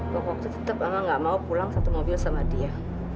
pokoknya tetap mama nggak mau pulang satu mobil sama dia